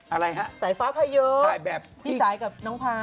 อะไรฮะสายฟ้าพายถ่ายแบบพี่สายกับน้องพา